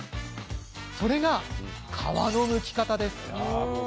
それが皮のむき方。